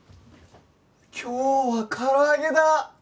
今日は唐揚げだ！